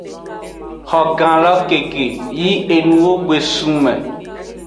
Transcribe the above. Xogan lo keke yi enuwo gbe sun me.